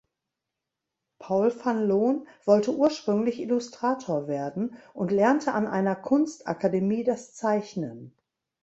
Paul van Loon wollte ursprünglich Illustrator werden und lernte an einer Kunstakademie das Zeichnen.